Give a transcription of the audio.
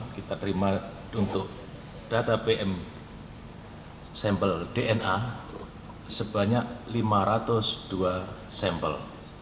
kita terima untuk data pm sampel dna sebanyak lima ratus dua sampel